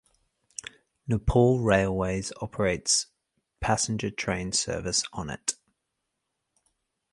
Nepal Railways operates passenger train service on it.